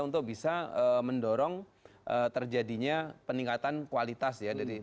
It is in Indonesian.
untuk bisa mendorong terjadinya peningkatan kualitas ya